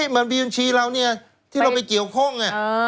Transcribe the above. มันเป็นบัญชีเราที่เราไปเกี่ยวข้อง